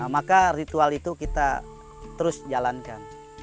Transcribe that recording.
maka ritual itu kita terus jalankan